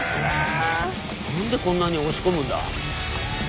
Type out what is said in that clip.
何でこんなに押し込むんだ。